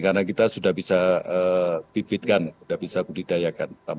karena kita sudah bisa pipitkan sudah bisa budidayakan